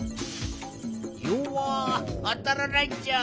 よわっあたらないっちゃ。